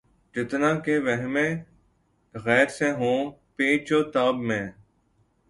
جتنا کہ وہمِ غیر سے ہوں پیچ و تاب میں